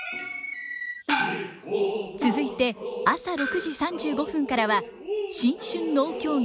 続いて朝６時３５分からは新春能狂言。